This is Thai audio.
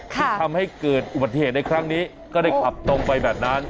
ที่ทำให้เกิดอุบัติเหตุในครั้งนี้ก็ได้ขับตรงไปแบบนั้น